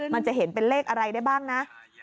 มันจะเห็นเป็นเลขอะไรได้บ้างนะ